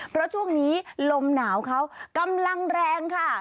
เพราะช่วงนี้ลมหนาวเขากำลังแรงค่ะ